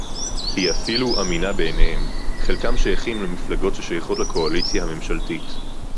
היא אפילו אמינה בעיניהם; חלקם שייכים למפלגות ששייכות לקואליציה הממשלתית